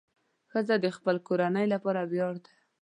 ښځه د خپل کورنۍ لپاره ویاړ ده.